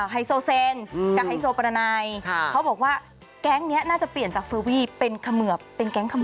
ไฮโซเซนกับไฮโซประไนเขาบอกว่าแก๊งนี้น่าจะเปลี่ยนจากเฟอร์วี่เป็นเขมือบเป็นแก๊งเขมือ